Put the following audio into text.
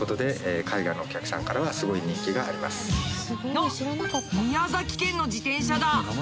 あっ宮崎県の自転車だ。